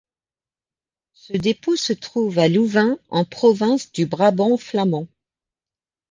Ce dépôt se trouve à Louvain en province du Brabant flamand.